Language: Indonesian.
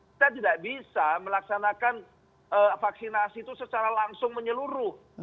kita tidak bisa melaksanakan vaksinasi itu secara langsung menyeluruh